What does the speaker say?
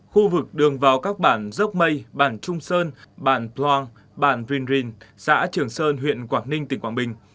khu vực đường vào các bản dốc mây bản trung sơn bản ploang bản vinh rinh xã trường sơn huyện quảng ninh tỉnh quảng bình